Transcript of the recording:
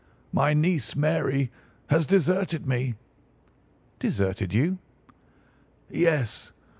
My niece, Mary, has deserted me." "Deserted you?" "Yes.